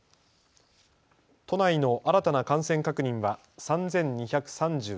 都内の新たな感染確認は３２３１人。